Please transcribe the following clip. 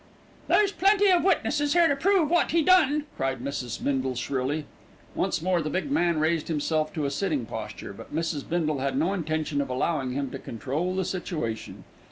"There's plenty of witnesses here to prove what he done," cried Mrs. Bindle shrilly. Once more the big man raised himself to a sitting posture; but Mrs. Bindle had no intention of allowing him to control the situation.